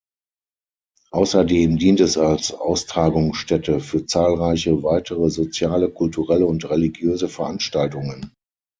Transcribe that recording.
Außerdem dient es als Austragungsstätte für zahlreiche weitere soziale, kulturelle und religiöse Veranstaltungen.